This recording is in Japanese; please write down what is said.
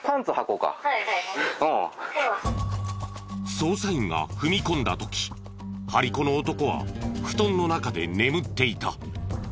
捜査員が踏み込んだ時張り子の男は布団の中で眠っていた。